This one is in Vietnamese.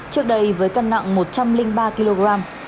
trước đây với cân nặng một trăm linh ba kg